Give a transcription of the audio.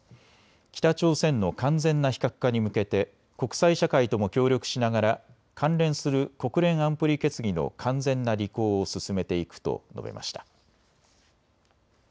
北朝鮮の完全な非核化に向けて国際社会とも協力しながら関連する国連安保理決議の完全な履行を進めていくと述べました。